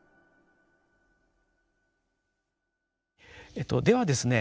えっとではですね